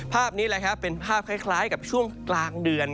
ภาพนี้แหละครับเป็นภาพคล้ายกับช่วงกลางเดือน